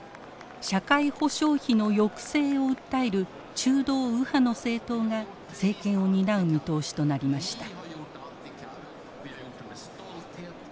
社会保障費の抑制を訴える中道右派の政党が政権を担う見通しとなりました。